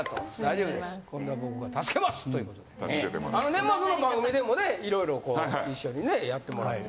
年末の番組でもね色々こう一緒にねやってもらって。